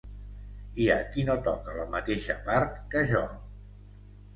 Hi ha qui no toca la mateixa part que jo.